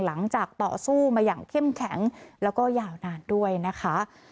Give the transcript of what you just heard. ต่อสู้มาอย่างเข้มแข็งแล้วก็ยาวนานด้วยนะคะ